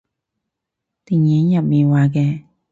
電影入面話嘅